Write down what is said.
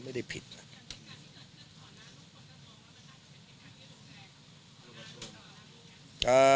ไม่ได้ผิดอะ